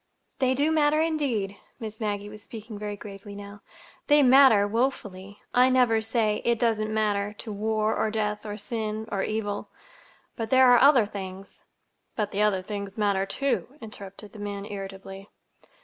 "They do matter, indeed." Miss Maggie was speaking very gravely now. "They matter—woefully. I never say 'It doesn't matter' to war, or death, or sin, or evil. But there are other things—" "But the other things matter, too," interrupted the man irritably.